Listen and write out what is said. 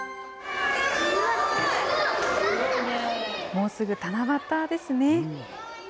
もうすぐ七夕ですね。